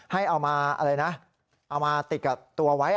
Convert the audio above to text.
ให้เอามาอะไรนะเอามาติดกับตัวไว้